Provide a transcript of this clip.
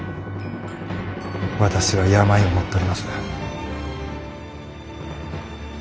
私は病を持っとります。